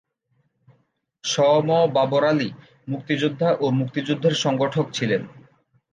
স ম বাবর আলী মুক্তিযুদ্ধা ও মুক্তিযুদ্ধের সংগঠক ছিলেন।